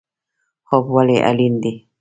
خوب ولې اړین دی؟